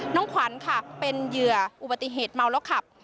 น้องขวัญค่ะเป็นเหยื่ออุบัติเหตุเมาแล้วขับ